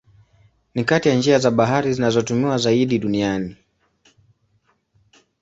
Ni kati ya njia za bahari zinazotumiwa zaidi duniani.